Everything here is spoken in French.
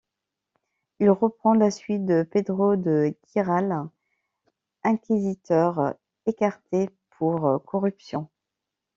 Il reprend la suite de Pedro de Guiral, inquisiteur écarté pour corruption.